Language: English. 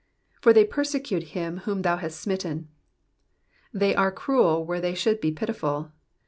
''Far they persecute him whom thou hast smitten,'*'* They are cruel where they should be pitiful.